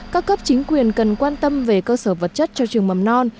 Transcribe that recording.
các cấp chính quyền cần quan tâm về cơ sở vật chất cho trường mầm non